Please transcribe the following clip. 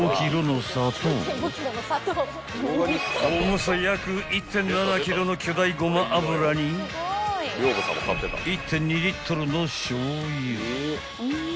［重さ約１．７ｋｇの巨大ごま油に１．２リットルのしょうゆ］